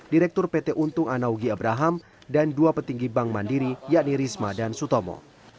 direktur pt untung anaugi abraham dan dua petinggi bank mandiri yakni risma dan sutomo